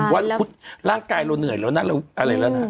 ว่าร่างกายเราเหนื่อยเรานักอะไรแล้วนะ